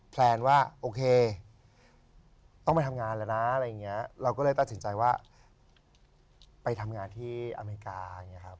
แพลนว่าโอเคต้องไปทำงานแล้วนะเราก็เลยตัดสินใจว่าไปทำงานที่อเมริกา